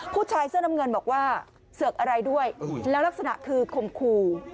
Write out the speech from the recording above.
ผู้ชายเสื้อน้ำเงินบอกว่าเสือกอะไรด้วยแล้วลักษณะคือข่มขู่